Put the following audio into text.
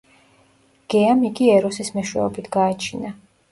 გეამ იგი ეროსის მეშვეობით გააჩინა.